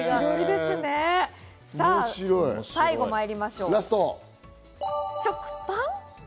最後まいりましょう、食パン？